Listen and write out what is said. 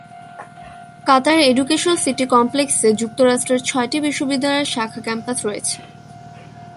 কাতারের education city কমপ্লেক্সে যুক্তরাষ্ট্রের ছয়টি বিশ্ববিদ্যালয়ের শাখা ক্যাম্পাস রয়েছে।